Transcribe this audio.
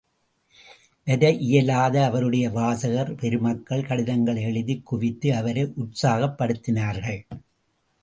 வர இயலாத அவருடைய வாசகர் பெருமக்கள், கடிதங்களை எழுதிக் குவித்து அவரை உற்சாகப்படுத்தினார்கள்.